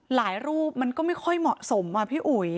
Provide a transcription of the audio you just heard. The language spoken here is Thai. รูปมันก็ไม่ค่อยเหมาะสมอ่ะพี่อุ๋ย